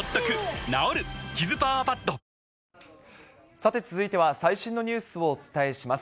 さて続いては最新のニュースをお伝えします。